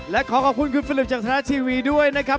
และขอขอบคุณคุณฟลึงจากธนาทีวีด้วยนะครับ